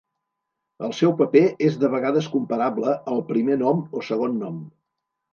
El seu paper és de vegades comparable al primer nom o segon nom.